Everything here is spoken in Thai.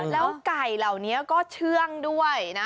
แล้วไก่เหล่านี้ก็เชื่องด้วยนะ